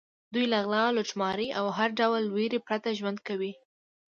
دوی له غلا، لوټمارۍ او هر ډول وېرې پرته ژوند کوي.